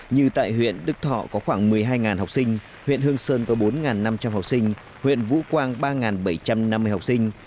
như tại huyện đức thọ có khoảng một mươi hai học sinh huyện hương sơn có bốn năm trăm linh học sinh huyện vũ quang ba bảy trăm năm mươi học sinh